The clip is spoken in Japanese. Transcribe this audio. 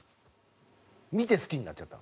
見て好きになっちゃった？